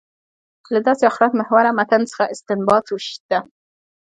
له داسې آخرت محوره متن څخه استنباط ده.